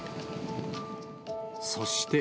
そして。